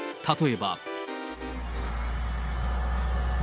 例えば。